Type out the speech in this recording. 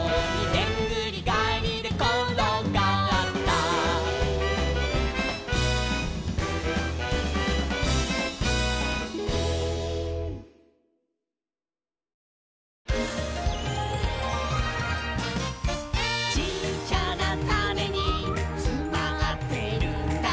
「でんぐりがえりでころがった」「ちっちゃなタネにつまってるんだ」